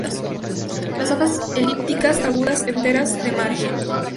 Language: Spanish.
Las hojas elípticas, agudas, enteras de margen.